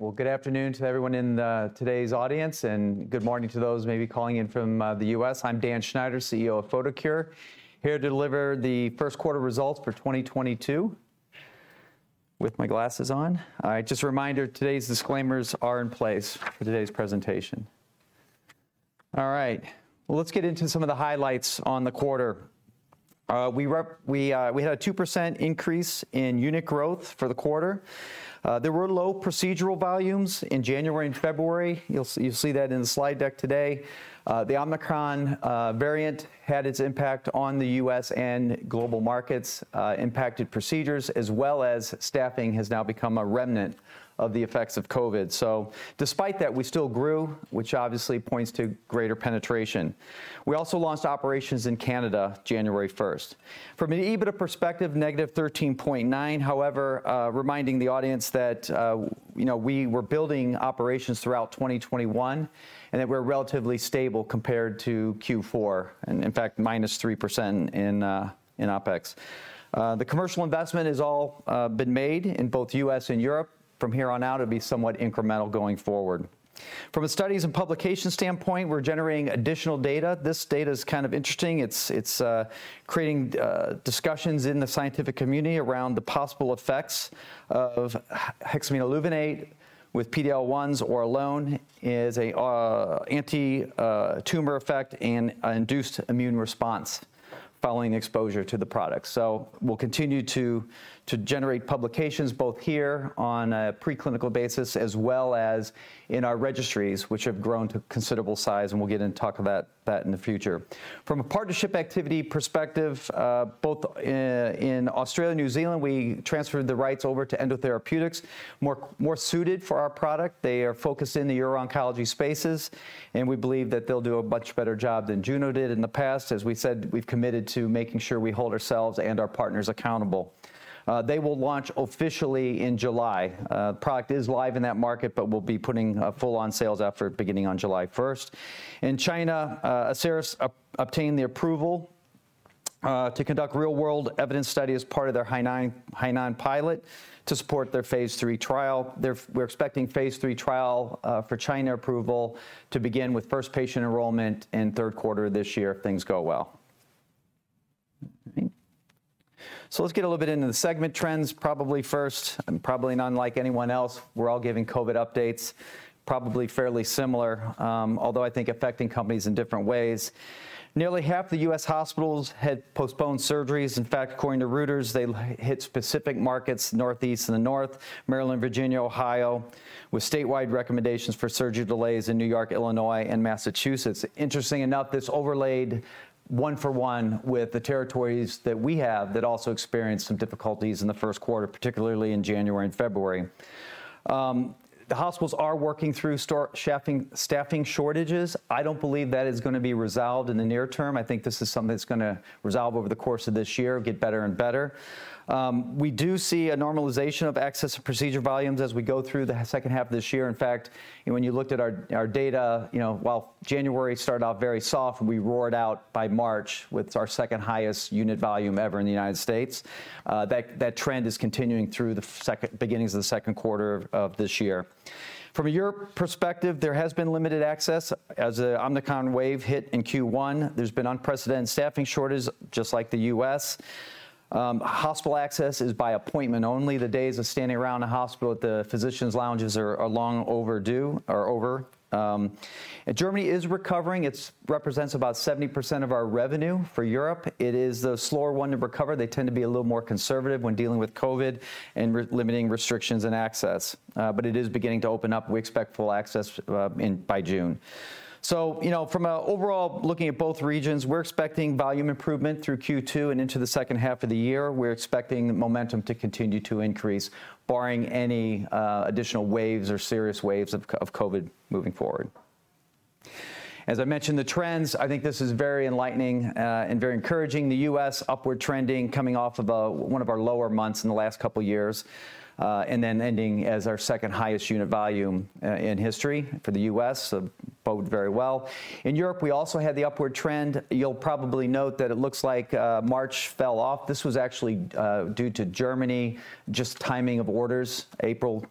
Well, good afternoon to everyone in today's audience, and good morning to those maybe calling in from the U.S. I'm Dan Schneider, CEO of Photocure, here to deliver the first quarter results for 2022, with my glasses on. All right, just a reminder, today's disclaimers are in place for today's presentation. All right. Well, let's get into some of the highlights on the quarter. We had a 2% increase in unit growth for the quarter. There were low procedural volumes in January and February. You'll see that in the slide deck today. The Omicron variant had its impact on the U.S. and global markets, impacted procedures as well as staffing has now become a remnant of the effects of COVID. Despite that, we still grew, which obviously points to greater penetration. We also launched operations in Canada, January 1st. From an EBITDA perspective, -13.9. However, reminding the audience that, you know, we were building operations throughout 2021, and that we're relatively stable compared to Q4, and in fact, -3% in OpEx. The commercial investment is all been made in both U.S. and Europe. From here on out, it'll be somewhat incremental going forward. From a studies and publication standpoint, we're generating additional data. This data is kind of interesting. It's creating discussions in the scientific community around the possible effects of hexaminolevulinate with PD-L1s or alone is an anti-tumor effect and an induced immune response following exposure to the product. We'll continue to generate publications both here on a preclinical basis as well as in our registries, which have grown to considerable size, and we'll get in and talk about that in the future. From a partnership activity perspective, both in Australia and New Zealand, we transferred the rights over to Endotherapeutics, more suited for our product. They are focused in the uro-oncology spaces, and we believe that they'll do a much better job than Juno Pharmaceuticals did in the past. As we said, we've committed to making sure we hold ourselves and our partners accountable. They will launch officially in July. Product is live in that market, but we'll be putting a full on sales effort beginning on July 1st. In China, Asieris obtained the approval to conduct real-world evidence study as part of their Hainan pilot to support their phase III trial. We're expecting phase III trial for China approval to begin with first patient enrollment in third quarter this year if things go well. Let's get a little bit into the segment trends probably first, and probably not unlike anyone else, we're all giving COVID updates, probably fairly similar, although I think affecting companies in different ways. Nearly half the U.S. hospitals had postponed surgeries. In fact, according to Reuters, they hit specific markets northeast and the north, Maryland, Virginia, Ohio, with statewide recommendations for surgery delays in New York, Illinois, and Massachusetts. Interesting enough, this overlaid one-for-one with the territories that we have that also experienced some difficulties in the first quarter, particularly in January and February. The hospitals are working through staffing shortages. I don't believe that is going to be resolved in the near term. I think this is something that's going to resolve over the course of this year, get better and better. We do see a normalization of access to procedure volumes as we go through the second half of this year. In fact, when you looked at our data, you know, while January started off very soft and we roared out by March with our second-highest unit volume ever in the United States, that trend is continuing through the beginnings of the second quarter of this year. From a Europe perspective, there has been limited access as the Omicron wave hit in Q1. There's been unprecedented staffing shortages, just like the U.S. Hospital access is by appointment only. The days of standing around a hospital at the physicians' lounges are long overdue or over. Germany is recovering. It represents about 70% of our revenue for Europe. It is the slower one to recover. They tend to be a little more conservative when dealing with COVID and limiting restrictions and access, but it is beginning to open up. We expect full access in by June. You know, from an overall looking at both regions, we're expecting volume improvement through Q2 and into the second half of the year. We're expecting the momentum to continue to increase, barring any additional waves or serious waves of COVID moving forward. As I mentioned, the trends, I think this is very enlightening and very encouraging. The U.S. upward trending coming off of one of our lower months in the last couple of years, and then ending as our second-highest unit volume in history for the U.S. bode very well. In Europe, we also had the upward trend. You'll probably note that it looks like March fell off. This was actually due to Germany, just timing of orders. April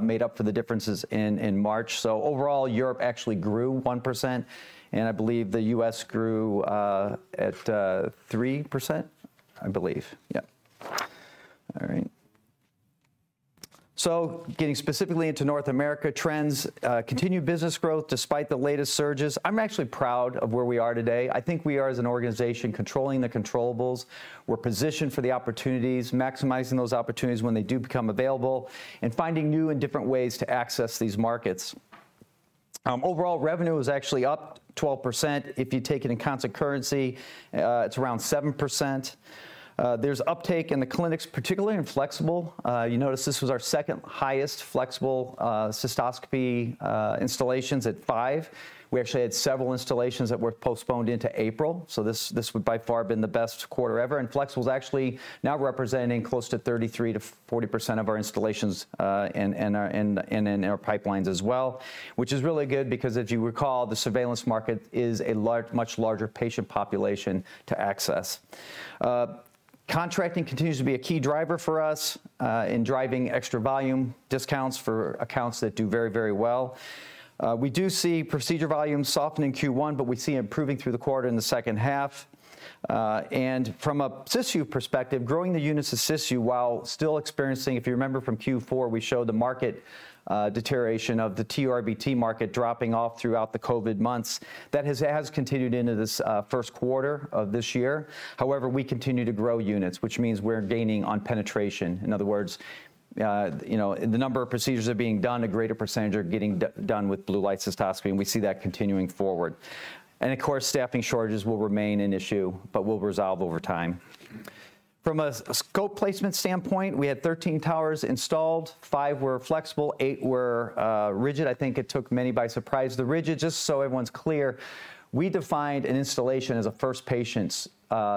made up for the differences in March. Overall, Europe actually grew 1%, and I believe the U.S. grew at 3%, I believe. Yep. All right. Getting specifically into North America trends, continued business growth despite the latest surges. I'm actually proud of where we are today. I think we are as an organization controlling the controllables. We're positioned for the opportunities, maximizing those opportunities when they do become available, and finding new and different ways to access these markets. Overall revenue is actually up 12%. If you take it in constant currency, it's around 7%. There's uptake in the clinics, particularly in flexible. You notice this was our second-highest flexible cystoscopy installations at 5%. We actually had several installations that were postponed into April, so this would by far been the best quarter ever. Flexible is actually now representing close to 33%-40% of our installations, and in our pipelines as well, which is really good because as you recall, the surveillance market is much larger patient population to access. Contracting continues to be a key driver for us in driving extra volume discounts for accounts that do very, very well. We do see procedure volume soften in Q1, but we see it improving through the quarter in the second half. From a Cysview perspective, growing the units of Cysview while still experiencing, if you remember from Q4, we showed the market deterioration of the TURBT market dropping off throughout the COVID months. That has continued into this first quarter of this year. However, we continue to grow units, which means we're gaining on penetration. In other words, you know, the number of procedures that are being done, a greater percentage are getting done with Blue Light Cystoscopy, and we see that continuing forward. Of course, staffing shortages will remain an issue, but will resolve over time. From a scope placement standpoint, we had 13 towers installed. Five were flexible, eight were rigid. I think it took many by surprise. The rigid, just so everyone's clear, we defined an installation as a first patients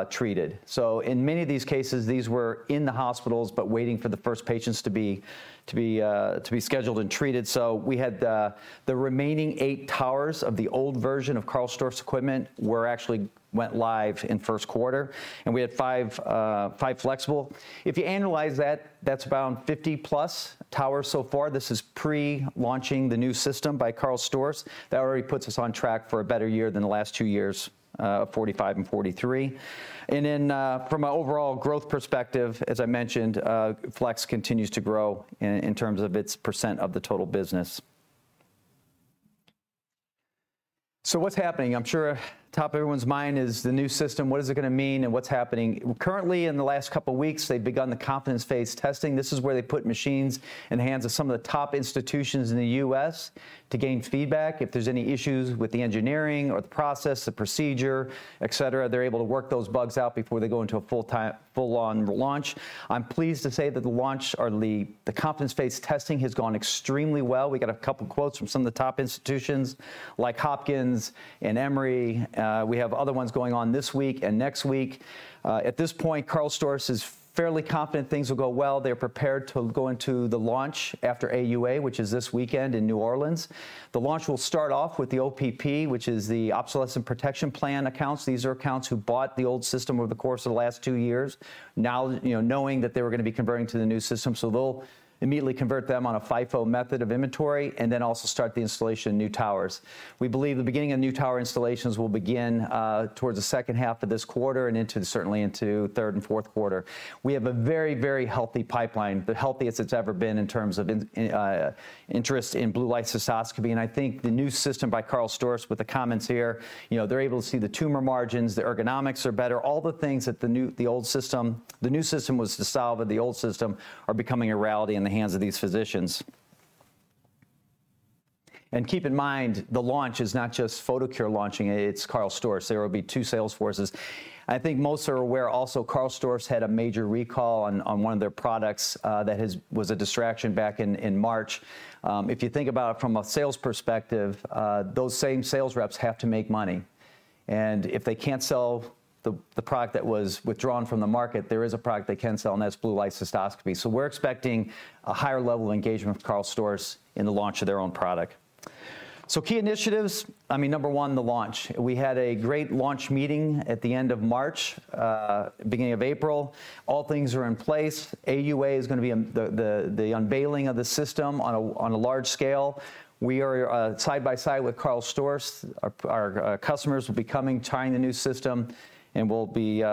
treated. In many of these cases, these were in the hospitals, but waiting for the first patients to be scheduled and treated. We had the remaining eight towers of the old version of KARL STORZ equipment were actually went live in first quarter. We had five flexible. If you analyze that's around 50+ towers so far. This is pre-launching the new system by KARL STORZ. That already puts us on track for a better year than the last 2 years of 45 and 43. From an overall growth perspective, as I mentioned, flexible continues to grow in terms of its percent of the total business. What's happening? I'm sure top of everyone's mind is the new system. What is it going to mean and what's happening? In the last couple of weeks, they've begun the confidence phase testing. This is where they put machines in the hands of some of the top institutions in the U.S. to gain feedback. If there's any issues with the engineering or the process, the procedure, et cetera, they're able to work those bugs out before they go into a full-on launch. I'm pleased to say that the launch or the confidence phase testing has gone extremely well. We got a couple of quotes from some of the top institutions like Johns Hopkins and Emory. We have other ones going on this week and next week. At this point, KARL STORZ is fairly confident things will go well. They're prepared to go into the launch after AUA, which is this weekend in New Orleans. The launch will start off with the OPP, which is the Obsolescence Protection Program accounts. These are accounts who bought the old system over the course of the last 2 years, now knowing that they were going to be converting to the new system. They'll immediately convert them on a FIFO method of inventory and then also start the installation of new towers. We believe the beginning of new tower installations will begin towards the second half of this quarter and certainly into third and fourth quarter. We have a very, very healthy pipeline, the healthiest it's ever been in terms of interest in Blue Light Cystoscopy. I think the new system by KARL STORZ with the comments here, you know, they're able to see the tumor margins, the ergonomics are better, all the things that the new system was to solve and the old system are becoming a reality in the hands of these physicians. Keep in mind, the launch is not just Photocure launching, it's KARL STORZ. There will be two sales forces. I think most are aware also KARL STORZ had a major recall on one of their products that was a distraction back in March. If you think about it from a sales perspective, those same sales reps have to make money. If they can't sell the product that was withdrawn from the market, there is a product they can sell and that's Blue Light Cystoscopy. We're expecting a higher level of engagement with KARL STORZ in the launch of their own product. Key initiatives, I mean, number one, the launch. We had a great launch meeting at the end of March, beginning of April. All things are in place. AUA is going to be the unveiling of the system on a large scale. We are side by side with KARL STORZ. Our customers will be coming, trying the new system and we'll be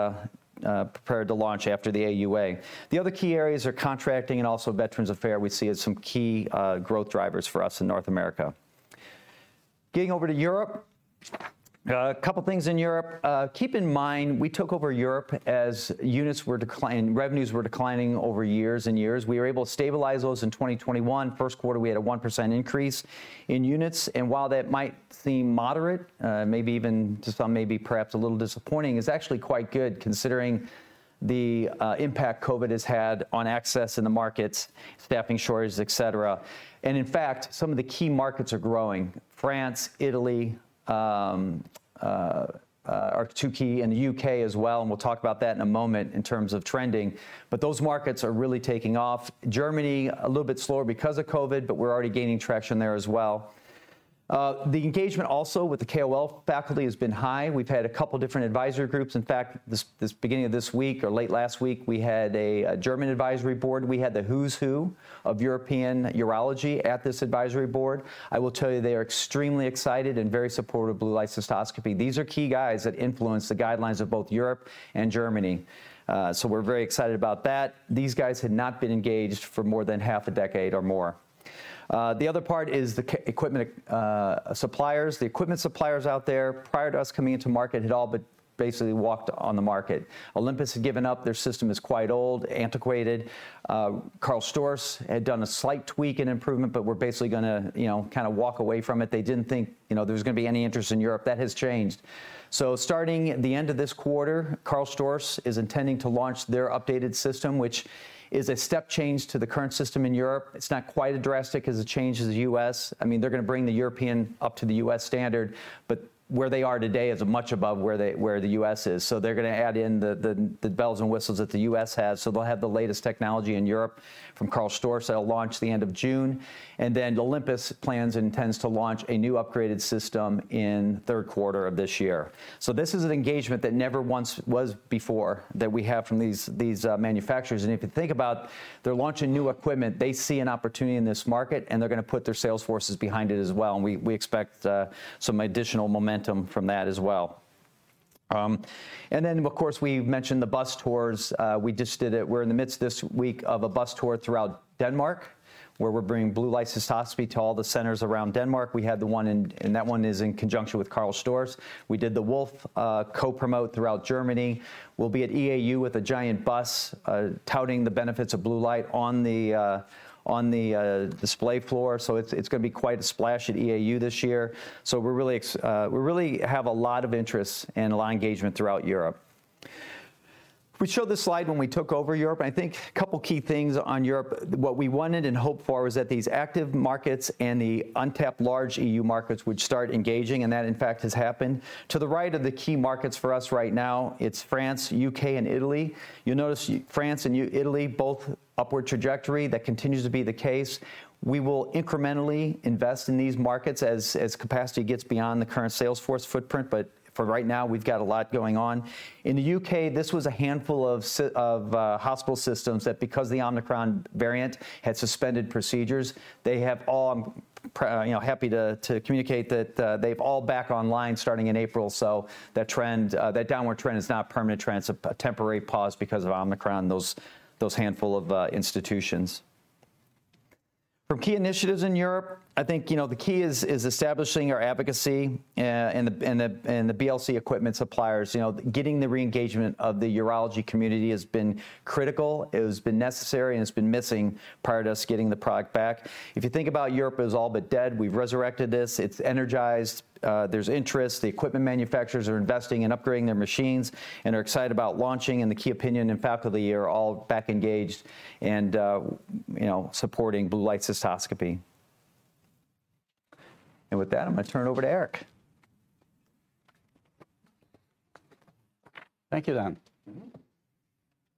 prepared to launch after the AUA. The other key areas are contracting and also Veterans Affairs, we see as some key growth drivers for us in North America. Getting over to Europe, a couple of things in Europe. Keep in mind, we took over Europe as units were declining, revenues were declining over years and years. We were able to stabilize those in 2021. First quarter, we had a 1% increase in units. While that might seem moderate, maybe even to some maybe perhaps a little disappointing, it's actually quite good considering the impact COVID has had on access in the markets, staffing shortages, et cetera. In fact, some of the key markets are growing. France, Italy are two key and the U.K. as well. We'll talk about that in a moment in terms of trending. Those markets are really taking off. Germany, a little bit slower because of COVID, but we're already gaining traction there as well. The engagement also with the KOL faculty has been high. We've had a couple of different advisory groups. In fact, at the beginning of this week or late last week, we had a German advisory board. We had the who's who of European urology at this advisory board. I will tell you, they are extremely excited and very supportive of Blue Light Cystoscopy. These are key guys that influence the guidelines of both Europe and Germany. We're very excited about that. These guys had not been engaged for more than half a decade or more. The other part is the equipment suppliers. The equipment suppliers out there prior to us coming into market had all but basically walked on the market. Olympus had given up. Their system is quite old, antiquated. KARL STORZ had done a slight tweak and improvement, but we're basically going to kind of walk away from it. They didn't think there was going to be any interest in Europe. That has changed. Starting at the end of this quarter, KARL STORZ is intending to launch their updated system, which is a step change to the current system in Europe. It's not quite as drastic as the change in the U.S. I mean, they're going to bring the European up to the U.S. standard, but where they are today is much above where the U.S. is. They're going to add in the bells and whistles that the U.S. has. They'll have the latest technology in Europe from KARL STORZ that will launch the end of June. Then Olympus plans and intends to launch a new upgraded system in third quarter of this year. This is an engagement that never once was before that we have from these manufacturers. If you think about they're launching new equipment, they see an opportunity in this market and they're going to put their sales forces behind it as well. We expect some additional momentum from that as well. Then of course, we mentioned the bus tours. We just did it. We're in the midst this week of a bus tour throughout Denmark, where we're bringing Blue Light Cystoscopy to all the centers around Denmark. We had the one, and that one is in conjunction with KARL STORZ. We did the Richard Wolf co-promote throughout Germany. We'll be at EAU with a giant bus, touting the benefits of blue light on the display floor. It's gonna be quite a splash at EAU this year. We're really, we really have a lot of interest and a lot of engagement throughout Europe. We showed this slide when we took over Europe, and I think a couple key things on Europe, what we wanted and hoped for was that these active markets and the untapped large EU markets would start engaging, and that in fact has happened. To the right of the key markets for us right now, it's France, U.K., and Italy. You'll notice France and Italy, both upward trajectory. That continues to be the case. We will incrementally invest in these markets as capacity gets beyond the current sales force footprint. But for right now, we've got a lot going on. In the U.K., this was a handful of hospital systems that because the Omicron variant had suspended procedures, they have all happy to communicate that they've all back online starting in April. That trend, that downward trend is not a permanent trend. It's a temporary pause because of Omicron, those handful of institutions. From key initiatives in Europe, I think, you know, the key is establishing our advocacy, and the BLC equipment suppliers. You know, getting the re-engagement of the urology community has been critical. It has been necessary, and it's been missing prior to us getting the product back. If you think about Europe as all but dead, we've resurrected this. It's energized. There's interest. The equipment manufacturers are investing in upgrading their machines and are excited about launching, and the key opinion leaders and faculty are all back engaged and, you know, supporting Blue Light Cystoscopy. With that, I'm gonna turn it over to Erik. Thank you, Dan.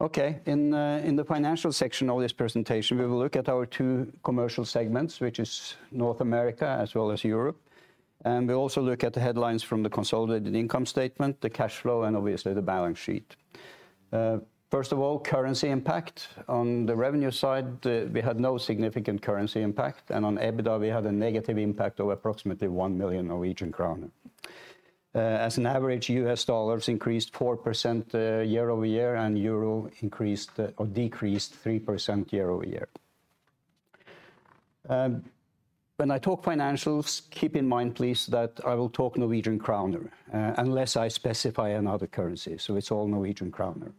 Okay. In the financial section of this presentation, we will look at our two commercial segments, which is North America as well as Europe. We'll also look at the headlines from the consolidated income statement, the cash flow, and obviously the balance sheet. First of all, currency impact. On the revenue side, we had no significant currency impact, and on EBITDA, we had a negative impact of approximately 1 million Norwegian kroner. As an average, U.S. dollars increased 4% year-over-year, and euro decreased 3% year-over-year. When I talk financials, keep in mind please that I will talk Norwegian kroner unless I specify another currency. It's all Norwegian kroner.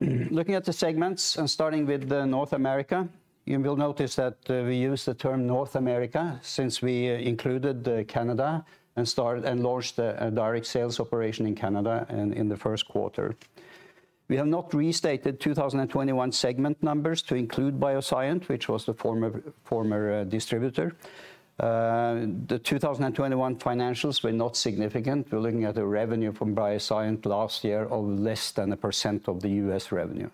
Looking at the segments and starting with North America, you will notice that we use the term North America since we included Canada and started and launched a direct sales operation in Canada in the first quarter. We have not restated 2021 segment numbers to include BioSyent, which was the former distributor. The 2021 financials were not significant. We're looking at the revenue from BioSyent last year of less than 1% of the U.S. revenue.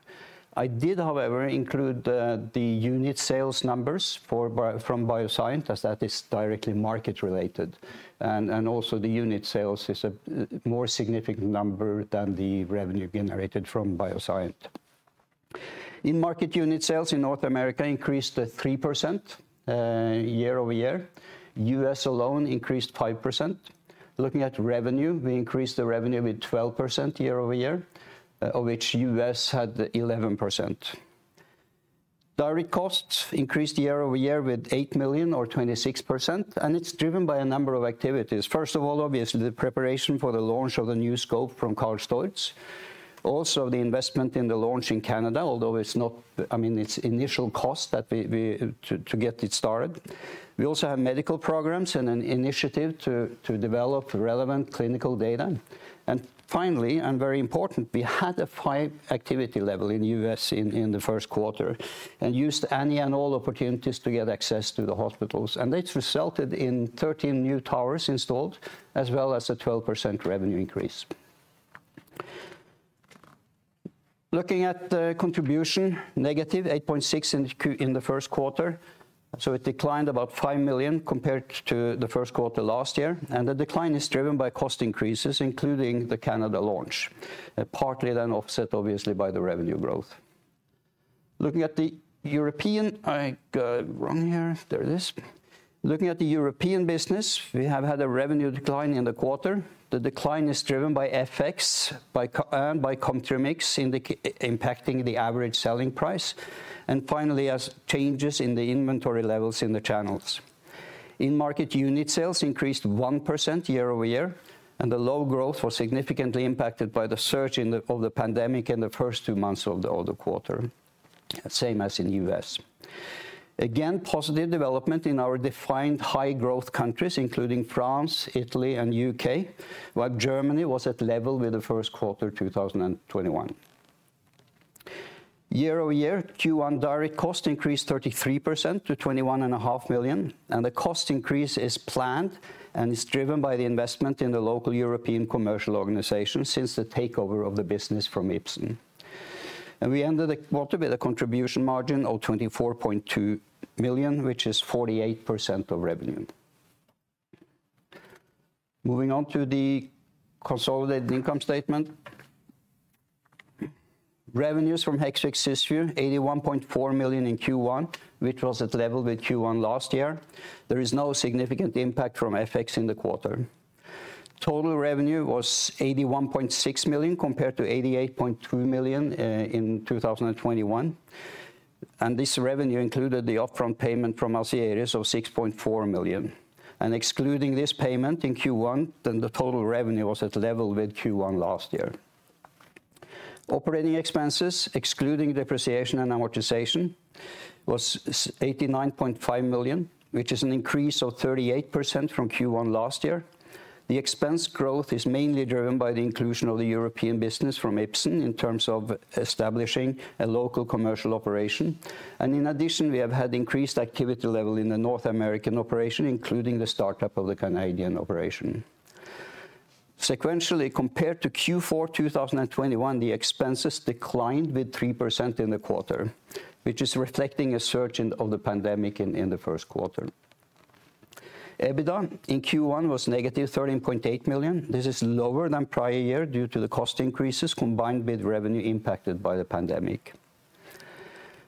I did, however, include the unit sales numbers from BioSyent, as that is directly market related. Also the unit sales is a more significant number than the revenue generated from BioSyent. In-market unit sales in North America increased 3% year-over-year. U.S. alone increased 5%. Looking at revenue, we increased the revenue with 12% year-over-year, of which U.S. had 11%. Direct costs increased year-over-year with 8 million or 26%, and it's driven by a number of activities. First of all, obviously, the preparation for the launch of the new scope from KARL STORZ. Also, the investment in the launch in Canada, although it's not, I mean, it's initial cost that we to get it started. We also have medical programs and an initiative to develop relevant clinical data. Finally, and very important, we had a high activity level in U.S. in the first quarter and used any and all opportunities to get access to the hospitals, and this resulted in 13 new towers installed as well as a 12% revenue increase. Looking at the contribution, -8.6 million in the first quarter, so it declined about 5 million compared to the first quarter last year. The decline is driven by cost increases, including the Canada launch, partly then offset obviously by the revenue growth. Looking at the European business, we have had a revenue decline in the quarter. The decline is driven by FX, country mix impacting the average selling price, and changes in the inventory levels in the channels. In-market unit sales increased 1% year-over-year, and the low growth was significantly impacted by the Omicron surge of the pandemic in the first 2 months of the quarter, same as in U.S. Again, positive development in our defined high growth countries, including France, Italy, and U.K., while Germany was at level with the first quarter 2021. Year-over-year, Q1 direct cost increased 33% to 21.5 million, and the cost increase is planned and is driven by the investment in the local European commercial organization since the takeover of the business from Ipsen. We ended the quarter with a contribution margin of 24.2 million, which is 48% of revenue. Moving on to the consolidated income statement. Revenues from Hexvix, 81.4 million in Q1, which was at level with Q1 last year. There is no significant impact from FX in the quarter. Total revenue was 81.6 million, compared to 88.2 million in 2021. This revenue included the upfront payment from Asieris of 6.4 million. Excluding this payment in Q1, then the total revenue was at level with Q1 last year. Operating expenses, excluding depreciation and amortization, was 89.5 million, which is an increase of 38% from Q1 last year. The expense growth is mainly driven by the inclusion of the European business from Ipsen in terms of establishing a local commercial operation. In addition, we have had increased activity level in the North American operation, including the startup of the Canadian operation. Sequentially compared to Q4 2021, the expenses declined with 3% in the quarter, which is reflecting a surge of the pandemic in the first quarter. EBITDA in Q1 was -13.8 million. This is lower than prior year due to the cost increases combined with revenue impacted by the pandemic.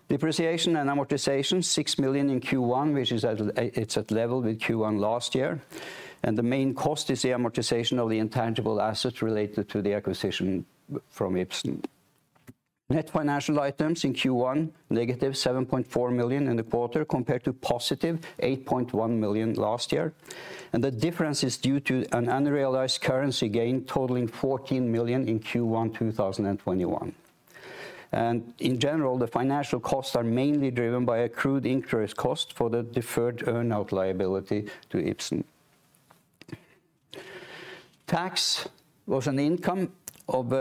Depreciation and amortization, 6 million in Q1, which is at level with Q1 last year. The main cost is the amortization of the intangible assets related to the acquisition from Ipsen. Net financial items in Q1, -7.4 million in the quarter, compared to +8.1 million last year. The difference is due to an unrealized currency gain totaling 14 million in Q1 2021. In general, the financial costs are mainly driven by accrued interest costs for the deferred earn-out liability to Ipsen. Tax was an income of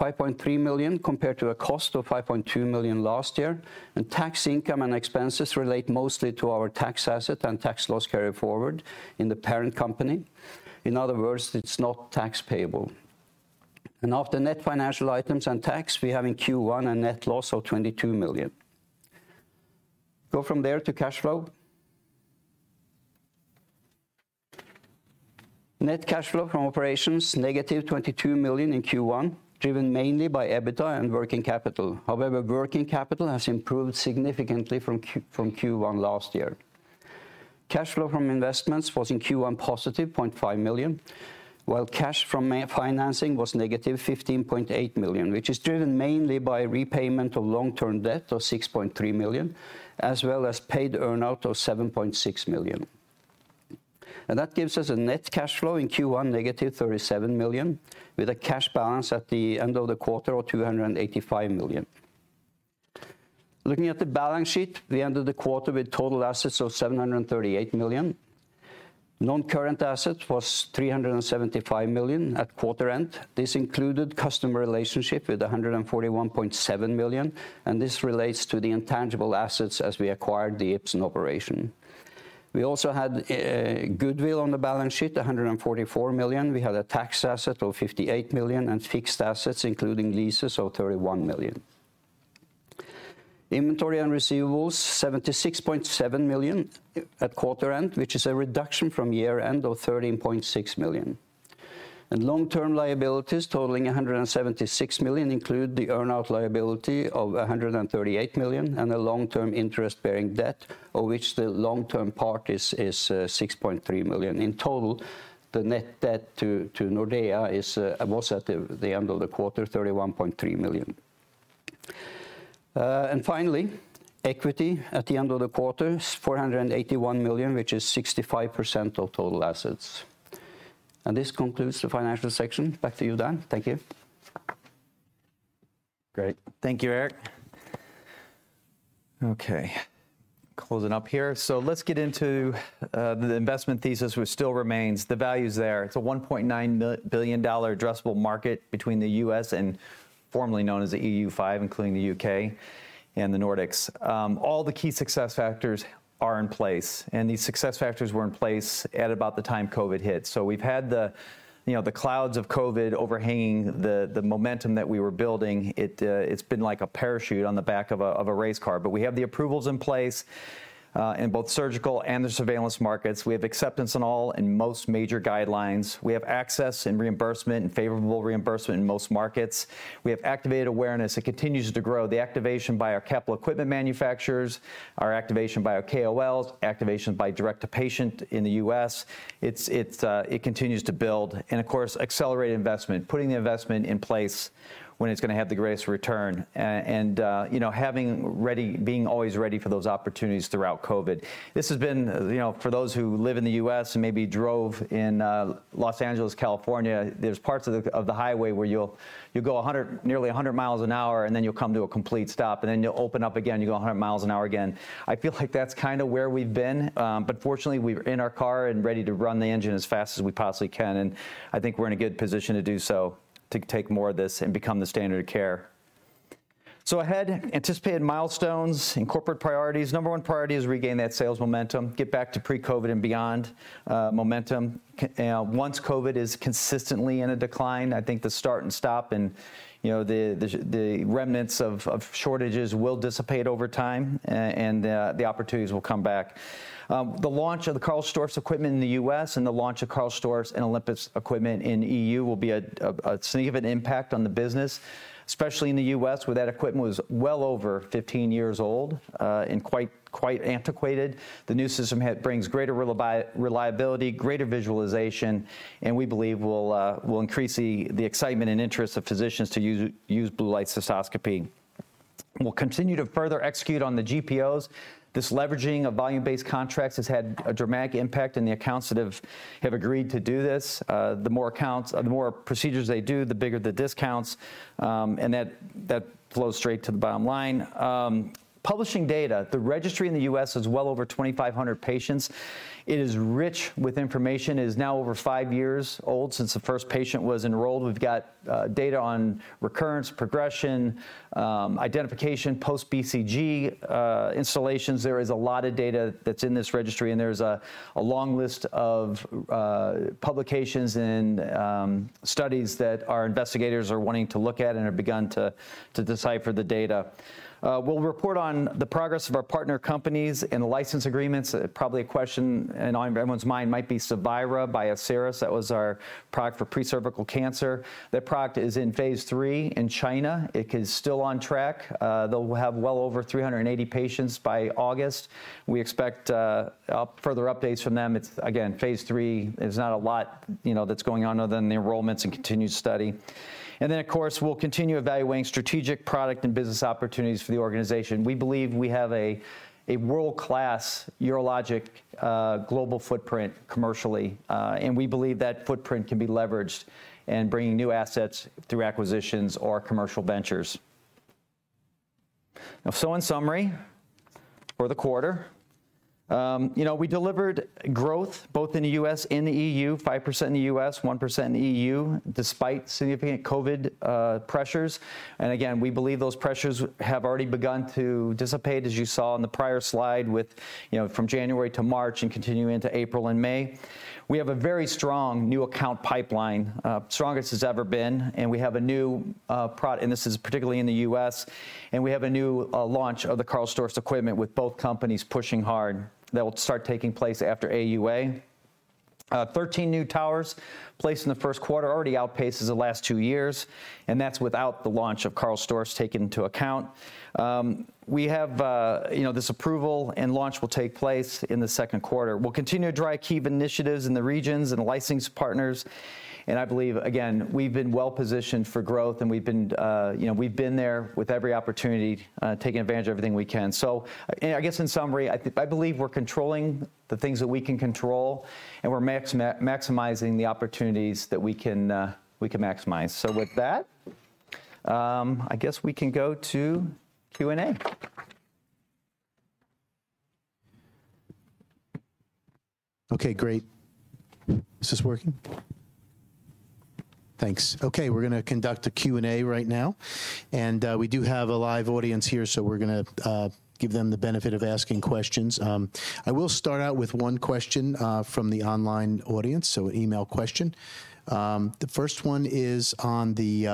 5.3 million compared to a cost of 5.2 million last year, and tax income and expenses relate mostly to our tax asset and tax loss carryforward in the parent company. In other words, it's not tax payable. After net financial items and tax, we have in Q1 a net loss of 22 million. Go from there to cash flow. Net cash flow from operations, -22 million in Q1, driven mainly by EBITDA and working capital. However, working capital has improved significantly from Q1 last year. Cash flow from investments was in Q1 +0.5 million, while cash from financing was -15.8 million, which is driven mainly by repayment of long-term debt of 6.3 million, as well as paid earn-out of 7.6 million. That gives us a net cash flow in Q1, -37 million, with a cash balance at the end of the quarter of 285 million. Looking at the balance sheet, we ended the quarter with total assets of 738 million. Non-current assets was 375 million at quarter end. This included customer relationship with 141.7 million, and this relates to the intangible assets as we acquired the Ipsen operation. We also had goodwill on the balance sheet, 144 million. We had a tax asset of 58 million and fixed assets, including leases, of 31 million. Inventory and receivables, 76.7 million at quarter end, which is a reduction from year-end of 13.6 million. Long-term liabilities totaling 176 million include the earn-out liability of 138 million and a long-term interest-bearing debt, of which the long-term part is 6.3 million. In total, the net debt to Nordea was at the end of the quarter 31.3 million. Finally, equity at the end of the quarter is 481 million, which is 65% of total assets. This concludes the financial section. Back to you, Dan. Thank you. Great. Thank you, Erik. Okay. Closing up here. Let's get into the investment thesis, which still remains. The value's there. It's a $1.9 billion addressable market between the U.S. and formerly known as the EU5, including the U.K. and the Nordics. All the key success factors are in place, and these success factors were in place at about the time COVID hit. We've had the, you know, the clouds of COVID overhanging the momentum that we were building. It's been like a parachute on the back of a race car. We have the approvals in place in both surgical and the surveillance markets. We have acceptance in all and most major guidelines. We have access and reimbursement and favorable reimbursement in most markets. We have activated awareness. It continues to grow. The activation by our capital equipment manufacturers, our activation by our KOLs, activation by direct to patient in the U.S., it's it continues to build and, of course, accelerated investment, putting the investment in place when it's gonna have the greatest return and, you know, being always ready for those opportunities throughout COVID. This has been, you know, for those who live in the U.S. and maybe drove in, Los Angeles, California, there's parts of the highway where you'll go 100, nearly 100 mi an hour, and then you'll come to a complete stop, and then you'll open up again, you go 100 mi an hour again. I feel like that's kind of where we've been, but fortunately, we're in our car and ready to run the engine as fast as we possibly can, and I think we're in a good position to do so to take more of this and become the standard of care. Ahead, anticipated milestones and corporate priorities. Number one priority is regain that sales momentum, get back to pre-COVID and beyond, momentum. Once COVID is consistently in a decline, I think the start and stop and, you know, the remnants of shortages will dissipate over time and the opportunities will come back. The launch of the KARL STORZ equipment in the U.S. and the launch of KARL STORZ and Olympus equipment in E.U. will be a significant impact on the business, especially in the U.S., where that equipment was well over 15 years old, and quite antiquated. The new system brings greater reliability, greater visualization, and we believe will increase the excitement and interest of physicians to use Blue Light Cystoscopy. We'll continue to further execute on the GPOs. This leveraging of volume-based contracts has had a dramatic impact on the accounts that have agreed to do this. The more procedures they do, the bigger the discounts, and that flows straight to the bottom line. Publishing data. The registry in the U.S. is well over 2,500 patients. It is rich with information. It is now over 5 years old since the first patient was enrolled. We've got data on recurrence, progression, identification, post-BCG installations. There is a lot of data that's in this registry, and there's a long list of publications and studies that our investigators are wanting to look at and have begun to decipher the data. We'll report on the progress of our partner companies and the license agreements. Probably a question on everyone's mind might be Cevira by Asieris. That was our product for pre-cervical cancer. That product is in phase III in China. It is still on track. They'll have well over 380 patients by August. We expect further updates from them. It's, again, phase III. There's not a lot, you know, that's going on other than the enrollments and continued study. Of course, we'll continue evaluating strategic product and business opportunities for the organization. We believe we have a world-class urologic global footprint commercially, and we believe that footprint can be leveraged in bringing new assets through acquisitions or commercial ventures. In summary for the quarter, you know, we delivered growth both in the U.S. and the EU, 5% in the U.S., 1% in the EU, despite significant COVID pressures. Again, we believe those pressures have already begun to dissipate, as you saw in the prior slide with, you know, from January to March and continuing into April and May. We have a very strong new account pipeline, strongest it's ever been, and we have a new, and this is particularly in the U.S., we have a new launch of the KARL STORZ equipment with both companies pushing hard. That will start taking place after AUA. 13 new towers placed in the first quarter already outpaces the last 2 years, and that's without the launch of KARL STORZ taken into account. We have, you know, this approval and launch will take place in the second quarter. We'll continue to drive key initiatives in the regions and licensing partners, and I believe, again, we've been well-positioned for growth, and we've been, you know, we've been there with every opportunity, taking advantage of everything we can. I guess in summary, I believe we're controlling the things that we can control, and we're maximizing the opportunities that we can maximize. With that, I guess we can go to Q&A. Okay, great. Is this working? Thanks. Okay, we're gonna conduct a Q&A right now, and we do have a live audience here, so we're gonna give them the benefit of asking questions. I will start out with one question from the online audience, so email question. The first one is on the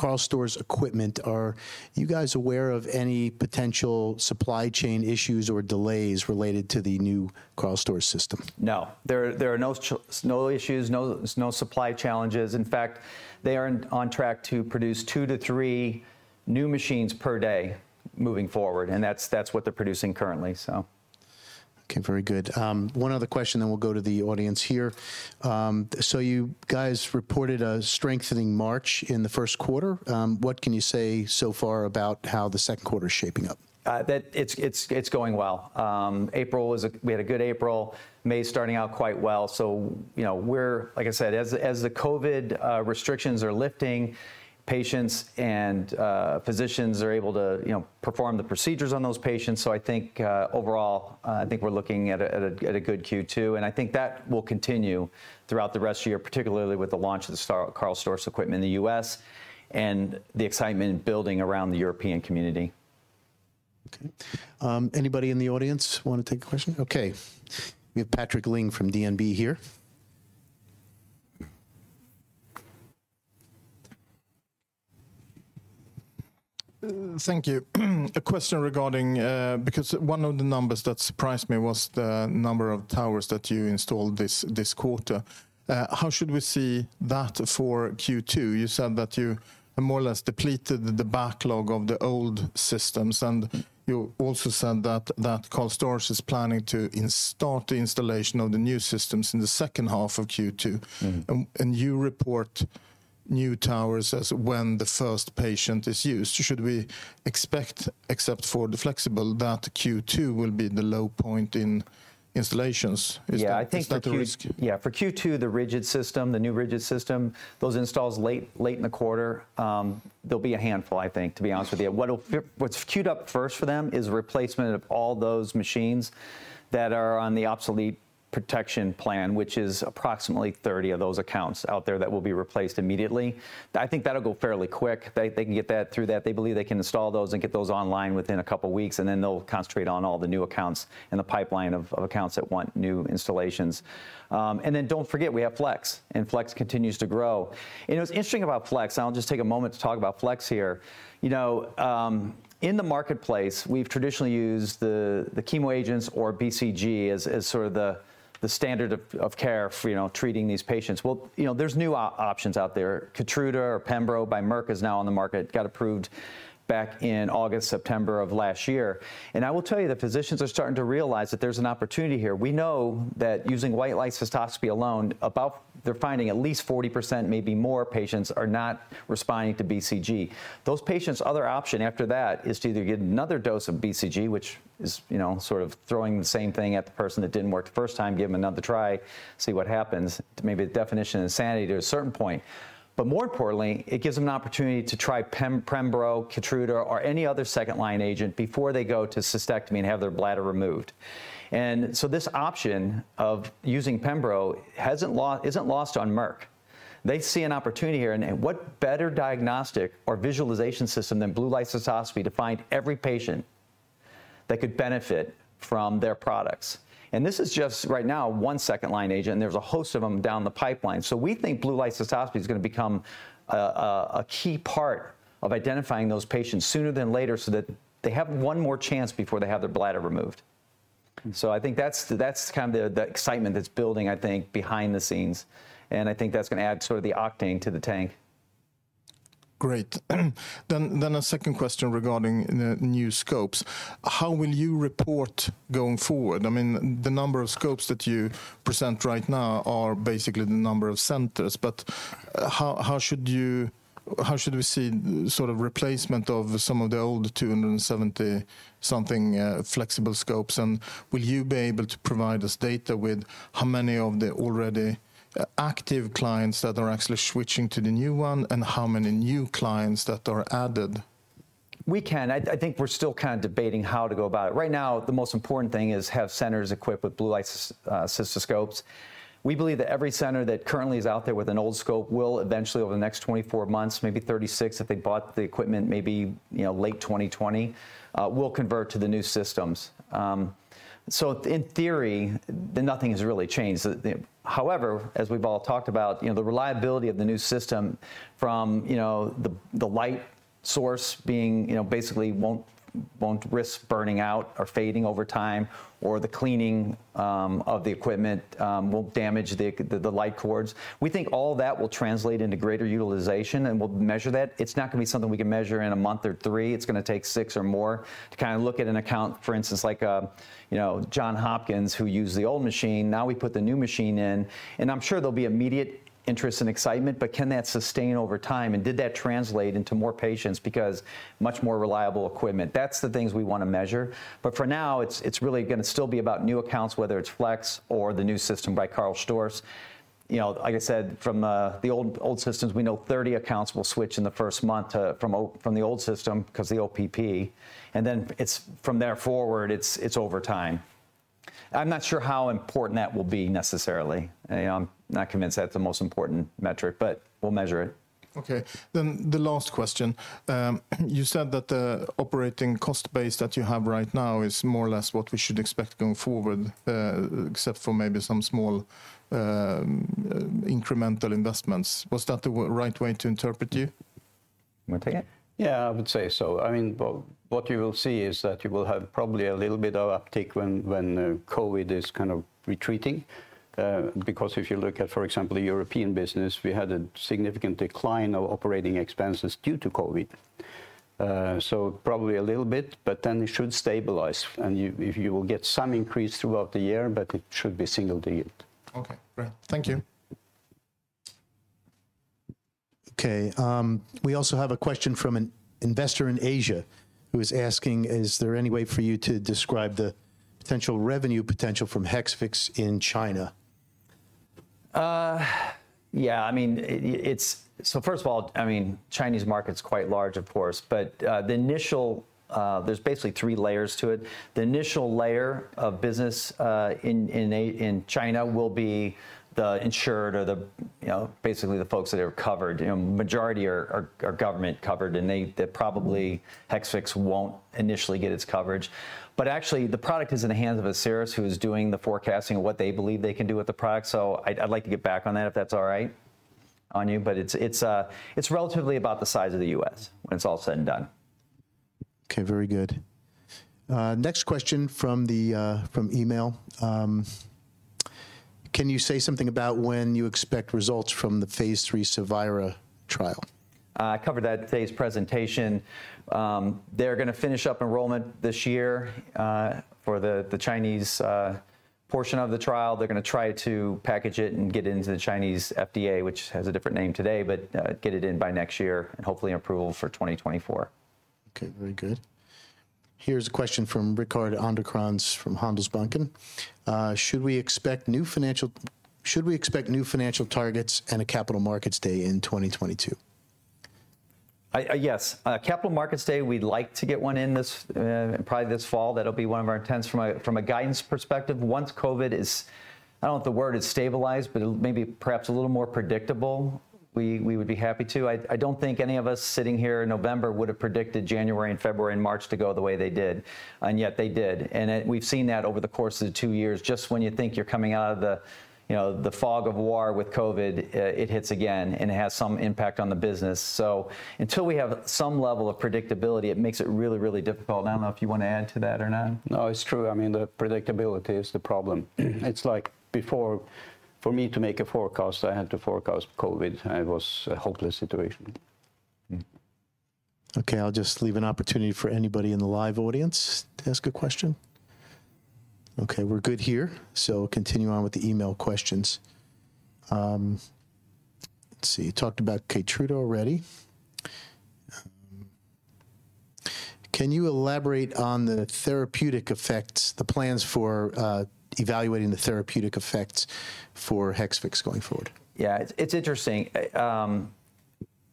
KARL STORZ equipment. Are you guys aware of any potential supply chain issues or delays related to the new KARL STORZ system? No. There are no issues, no supply challenges. In fact, they are on track to produce two to three new machines per day moving forward, and that's what they're producing currently, so. Okay, very good. One other question, then we'll go to the audience here. You guys reported a strengthening March in the first quarter. What can you say so far about how the second quarter is shaping up? That it's going well. We had a good April. May is starting out quite well. You know, we're, like I said, as the COVID restrictions are lifting, patients and physicians are able to, you know, perform the procedures on those patients. I think overall we're looking at a good Q2, and I think that will continue throughout the rest of the year, particularly with the launch of the KARL STORZ equipment in the U.S. and the excitement building around the European community. Okay. Anybody in the audience want to take a question? Okay. We have Patrik Ling from DNB here. Thank you. A question regarding because one of the numbers that surprised me was the number of towers that you installed this quarter. How should we see that for Q2? You said that you more or less depleted the backlog of the old systems, and you also said that KARL STORZ is planning to start the installation of the new systems in the second half of Q2. Mm-hmm. You report new towers as when the first patient is used. Should we expect, except for the flexible, that Q2 will be the low point in installations? Yeah, I think that. Is that a risk? Yeah. For Q2, the rigid system, the new rigid system, those installs late in the quarter, they'll be a handful I think, to be honest with you. What's queued up first for them is replacement of all those machines that are on the Obsolescence Protection Program, which is approximately 30 of those accounts out there that will be replaced immediately. I think that'll go fairly quick. They can get that through that. They believe they can install those and get those online within a couple weeks, and then they'll concentrate on all the new accounts in the pipeline of accounts that want new installations. Don't forget, we have flexible, and flexible continues to grow. What's interesting about flexible, and I'll just take a moment to talk about flexible here, you know, in the marketplace we've traditionally used the chemo agents or BCG as sort of the standard of care for, you know, treating these patients. Well, you know, there's new options out there. KEYTRUDA or pembrolizumab by Merck is now on the market. Got approved back in August, September of last year. I will tell you the physicians are starting to realize that there's an opportunity here. We know that using white light cystoscopy alone, about they're finding at least 40%, maybe more patients, are not responding to BCG. Those patients' other option after that is to either get another dose of BCG, which is, you know, sort of throwing the same thing at the person that didn't work the first time, give 'em another try, see what happens. Maybe the definition of insanity to a certain point. More importantly, it gives them an opportunity to try pembrolizumab, KEYTRUDA, or any other second line agent before they go to cystectomy and have their bladder removed. This option of using pembrolizumab isn't lost on Merck. They see an opportunity here and what better diagnostic or visualization system than Blue Light Cystoscopy to find every patient that could benefit from their products. This is just right now one second line agent, and there's a host of them down the pipeline. We think Blue Light Cystoscopy is gonna become a key part of identifying those patients sooner than later so that they have one more chance before they have their bladder removed. Mm. I think that's kind of the excitement that's building, I think, behind the scenes, and I think that's gonna add sort of the octane to the tank. Great. A second question regarding the new scopes. How will you report going forward? I mean, the number of scopes that you present right now are basically the number of centers, but how should we see sort of replacement of some of the old 270-something flexible scopes? And will you be able to provide us data with how many of the already active clients that are actually switching to the new one, and how many new clients that are added? We can. I think we're still kind of debating how to go about it. Right now the most important thing is have centers equipped with blue light cystoscopes. We believe that every center that currently is out there with an old scope will eventually over the next 24 months, maybe 36 if they bought the equipment maybe, you know, late 2020, will convert to the new systems. In theory, nothing has really changed. However, as we've all talked about, you know, the reliability of the new system from, you know, the light source being, you know, basically won't risk burning out or fading over time, or the cleaning of the equipment won't damage the light cords. We think all that will translate into greater utilization, and we'll measure that. It's not gonna be something we can measure in a month or 3. It's gonna take 6 or more to kind of look at an account, for instance like, you know, Johns Hopkins who used the old machine, now we put the new machine in. I'm sure there'll be immediate interest and excitement, but can that sustain over time, and did that translate into more patients because much more reliable equipment? That's the things we wanna measure. For now, it's really gonna still be about new accounts, whether it's flexible or the new system by KARL STORZ. You know, like I said, from the old systems we know 30 accounts will switch in the first month, from the old system 'cause of the OPP. Then it's from there forward it's over time. I'm not sure how important that will be necessarily. I'm not convinced that's the most important metric, but we'll measure it. Okay. The last question. You said that the operating cost base that you have right now is more or less what we should expect going forward, except for maybe some small incremental investments. Was that the right way to interpret you? You wanna take it? Yeah, I would say so. I mean, well, what you will see is that you will have probably a little bit of uptick when COVID is kind of retreating, because if you look at, for example, the European business, we had a significant decline of operating expenses due to COVID. So probably a little bit, but then it should stabilize and if you will get some increase throughout the year, but it should be single digit. Okay. Great. Thank you. Okay. We also have a question from an investor in Asia who is asking, "Is there any way for you to describe the potential revenue potential from Hexvix in China?" First of all, I mean, the Chinese market's quite large, of course. There's basically three layers to it. The initial layer of business in China will be the insured or the, you know, basically the folks that are covered. You know, majority are government covered and they probably, Hexvix won't initially get its coverage. Actually, the product is in the hands of Asieris who is doing the forecasting of what they believe they can do with the product. I'd like to get back on that if that's all right, Anu. It's relatively about the size of the U.S. when it's all said and done. Okay, very good. Next question from email. Can you say something about when you expect results from the phase III Cevira trial? I covered that in today's presentation. They're gonna finish up enrollment this year for the Chinese portion of the trial. They're gonna try to package it and get it into the Chinese FDA, which has a different name today, but get it in by next year, and hopefully approval for 2024. Okay. Very good. Here's a question from Rickard Anderkrans from Handelsbanken. Should we expect new financial targets and a Capital Markets Day in 2022? Yes. A Capital Markets Day, we'd like to get one in this, probably this fall. That'll be one of our intents from a guidance perspective. Once COVID is, I don't know if the word is stabilized, but it'll maybe perhaps a little more predictable, we would be happy to. I don't think any of us sitting here in November would have predicted January and February and March to go the way they did, and yet they did. We've seen that over the course of the 2 years. Just when you think you're coming out of the fog of war with COVID, you know, it hits again and it has some impact on the business. Until we have some level of predictability, it makes it really, really difficult. I don't know if you want to add to that or not. No, it's true. I mean, the predictability is the problem. It's like before, for me to make a forecast, I had to forecast COVID, and it was a hopeless situation. Okay, I'll just leave an opportunity for anybody in the live audience to ask a question. Okay, we're good here. Continue on with the email questions. Let's see. You talked about KEYTRUDA already. Can you elaborate on the therapeutic effects, the plans for, evaluating the therapeutic effects for Hexvix going forward? Yeah. It's interesting.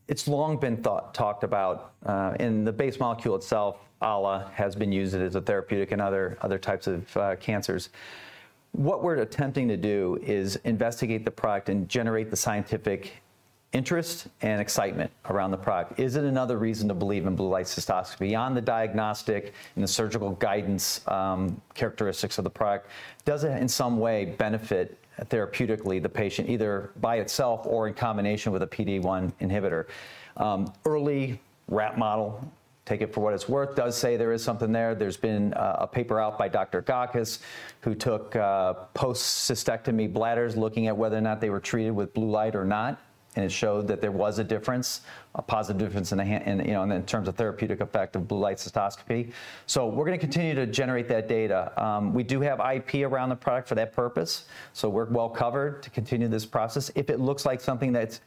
It's long been thought, talked about, in the base molecule itself, ALA has been used as a therapeutic in other types of cancers. What we're attempting to do is investigate the product and generate the scientific interest and excitement around the product. Is it another reason to believe in Blue Light Cystoscopy beyond the diagnostic and the surgical guidance characteristics of the product? Does it in some way benefit therapeutically the patient, either by itself or in combination with a PD-1 inhibitor? Early rat model, take it for what it's worth, does say there is something there. There's been a paper out by Dr. Gakis, who took post-cystectomy bladders looking at whether or not they were treated with blue light or not, and it showed that there was a difference, a positive difference in the, you know, in terms of therapeutic effect of Blue Light Cystoscopy. We're gonna continue to generate that data. We do have IP around the product for that purpose, so we're well covered to continue this process. If it looks like something that's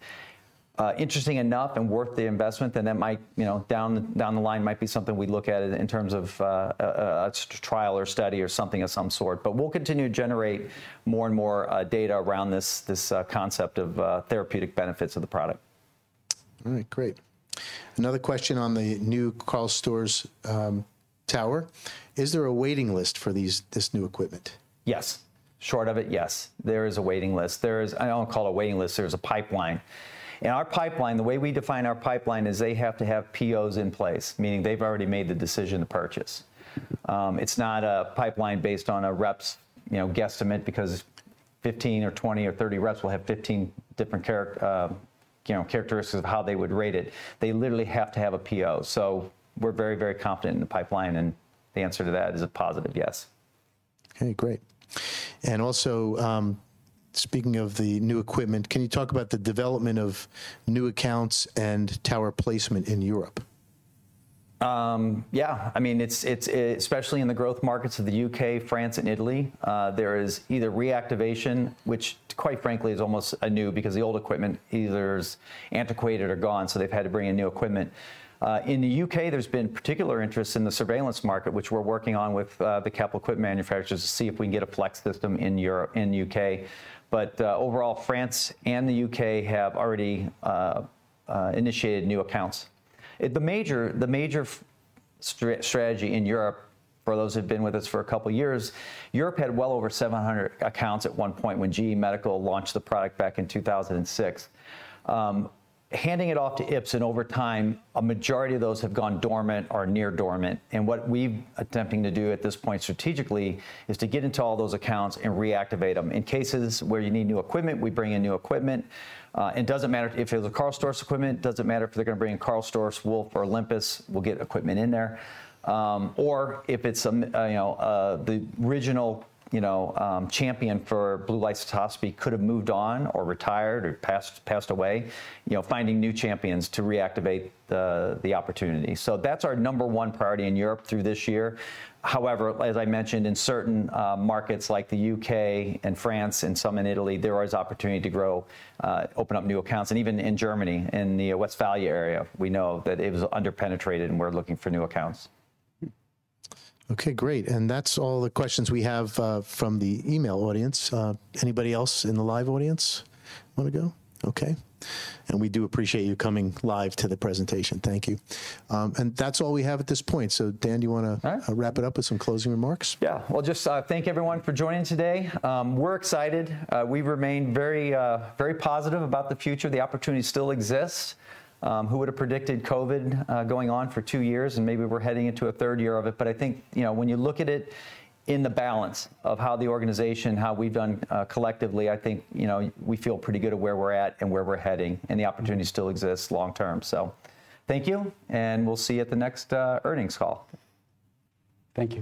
interesting enough and worth the investment, then that might, you know, down the line might be something we'd look at in terms of a trial or study or something of some sort. We'll continue to generate more and more data around this concept of therapeutic benefits of the product. All right. Great. Another question on the new KARL STORZ tower. Is there a waiting list for this new equipment? Yes. In short, yes. There is a waiting list. I don't call it a waiting list. There's a pipeline. Our pipeline, the way we define our pipeline is they have to have POs in place, meaning they've already made the decision to purchase. It's not a pipeline based on a rep's, you know, guesstimate because 15 or 20 or 30 reps will have 15 different characteristics of how they would rate it. They literally have to have a PO. We're very, very confident in the pipeline, and the answer to that is a positive yes. Okay. Great. Also, speaking of the new equipment, can you talk about the development of new accounts and tower placement in Europe? Yeah. I mean, it's especially in the growth markets of the U.K., France, and Italy, there is either reactivation, which quite frankly is almost anew because the old equipment either is antiquated or gone, so they've had to bring in new equipment. In the U.K., there's been particular interest in the surveillance market, which we're working on with the capital equipment manufacturers to see if we can get a flexible system in Europe and U.K. Overall, France and the U.K. have already initiated new accounts. The major strategy in Europe, for those who've been with us for a couple of years, Europe had well over 700 accounts at one point when GE Healthcare launched the product back in 2006. Handing it off to Ipsen over time, a majority of those have gone dormant or near dormant. What we're attempting to do at this point strategically is to get into all those accounts and reactivate them. In cases where you need new equipment, we bring in new equipment. It doesn't matter if it's a KARL STORZ equipment, doesn't matter if they're gonna bring in KARL STORZ, Richard Wolf, or Olympus, we'll get equipment in there. Or if it's a you know the original you know champion for Blue Light Cystoscopy could have moved on or retired or passed away, you know, finding new champions to reactivate the opportunity. That's our number one priority in Europe through this year. However, as I mentioned, in certain markets like the U.K. and France and some in Italy, there is opportunity to grow open up new accounts. Even in Germany, in the Westphalia area, we know that it was under-penetrated and we're looking for new accounts. Okay. Great. That's all the questions we have from the email audience. Anybody else in the live audience want to go? Okay. We do appreciate you coming live to the presentation. Thank you. That's all we have at this point. Dan, do you wanna- All right. Wrap it up with some closing remarks? Yeah. Well, just thank everyone for joining today. We're excited. We remain very positive about the future. The opportunity still exists. Who would have predicted COVID going on for 2 years, and maybe we're heading into a third year of it. I think, you know, when you look at it in the balance of how the organization, how we've done, collectively, I think, you know, we feel pretty good at where we're at and where we're heading, and the opportunity still exists long term. Thank you, and we'll see you at the next earnings call. Thank you.